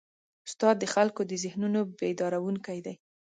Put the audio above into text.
استاد د خلکو د ذهنونو بیدارونکی دی.